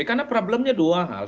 karena problemnya dua hal